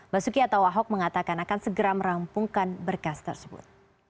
basuki atau ahok mengatakan akan segera merampungkan berkas tersebut